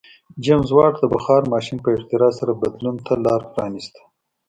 جېمز واټ د بخار ماشین په اختراع سره بدلون ته لار پرانیسته.